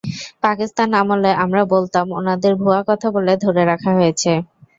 পাকিস্তান আমলে আমরা বলতাম ওনাদের ভুয়া কথা বলে ধরে রাখা হয়েছে।